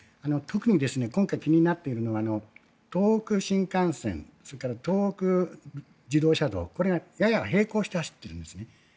特に今回気になっているのは東北新幹線それから東北自動車道これがやや平行して走っているんですね。